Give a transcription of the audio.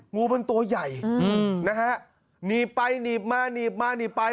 งูมันตัวใหญ่วิธีสถานการณ์อรุณาชื่นต่ำนีบไปนีบมานีบมานีบไป